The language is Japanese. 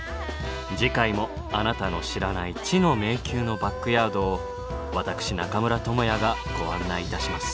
次回もあなたの知らない「知の迷宮」のバックヤードを私中村倫也がご案内いたします。